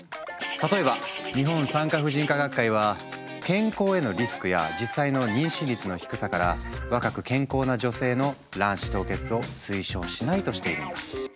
例えば日本産科婦人科学会は健康へのリスクや実際の妊娠率の低さから若く健康な女性の卵子凍結を推奨しないとしているんだ。